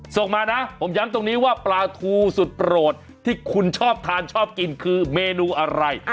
ส่งมานะผมย้ำตรงนี้ว่าปลาทูสุดโปรดที่คุณชอบทานชอบกินคือเมนูอะไร